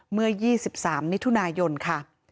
เมื่อยี่สิบสามมิถุนายนค่ะ